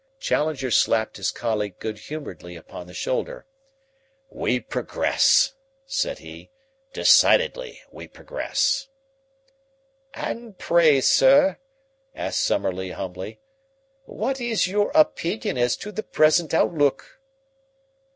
Challenger slapped his colleague good humouredly upon the shoulder. "We progress," said he. "Decidedly we progress." "And pray, sir," asked Summerlee humbly, "what is your opinion as to the present outlook?"